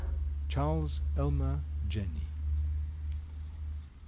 Charles Elmer Jenney.